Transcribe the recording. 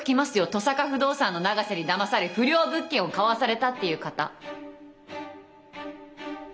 登坂不動産の永瀬にだまされ不良物件を買わされたっていう方。